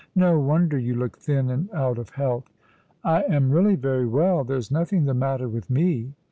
No wonder you look thin and out of health." " I am really very well. There is nothing the matter with me."